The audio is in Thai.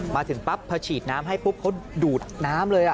มาถึงปั๊บพอฉีดน้ำให้ปุ๊บเขาดูดน้ำเลย